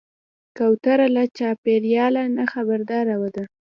کوتره له چاپېریاله نه خبرداره ده.